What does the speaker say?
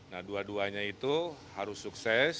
nah dua duanya itu harus sukses